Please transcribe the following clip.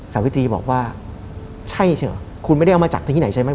สาวิตรีบอกว่าใช่ใช่เหรอคุณไม่ได้เอามาจากที่ไหนใช่ไหม